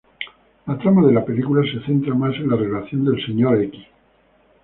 La trama de la película se centra más en la relación del Sr.